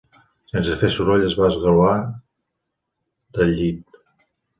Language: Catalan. Sense fer soroll es va esgolar del llit.